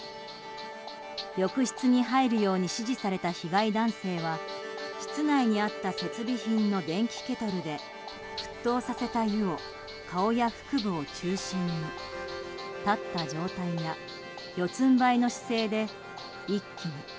浴室に入るよう指示された被害男性は室内にあった設備品の電気ケトルで沸騰させた湯を顔や腹部を中心に立った状態や四つん這いの姿勢で一気に。